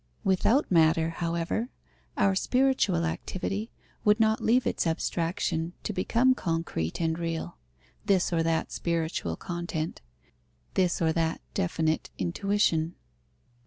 Without matter, however, our spiritual activity would not leave its abstraction to become concrete and real, this or that spiritual content, this or that definite intuition.